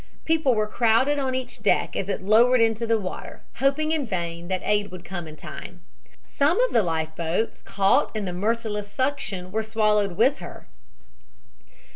"People were crowded on each deck as it lowered into the water, hoping in vain that aid would come in time. Some of the life boats caught in the merciless suction were swallowed with her.